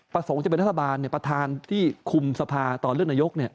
ประสงค์จะเป็นนัฐบาลเนี่ยประธานที่คุมสภาพตอนเลือกนายกเนี่ย